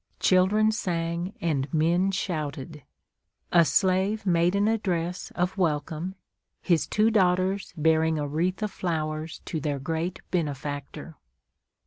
Children sang and men shouted. A slave made an address of welcome, his two daughters bearing a wreath of flowers to their great benefactor.